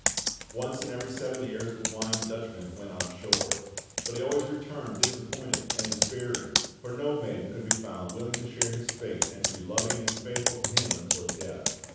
Once in every seven years the Flying Dutchman went on shore; but he always returned disappointed and despairing, for no maiden could be found willing to share his fate and to be loving and faithful to him until death.